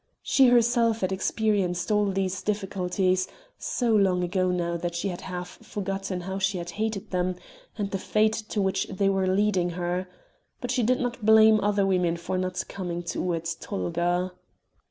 She herself had experienced all these difficulties, so long ago now that she had half forgotten how she had hated them, and the fate to which they were leading her. But she did not blame other women for not coming to Oued Tolga.